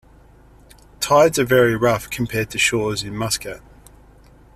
Tides are very rough compared to shores in muscat.